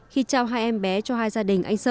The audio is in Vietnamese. khi trao hai em bé cho hai gia đình anh sơ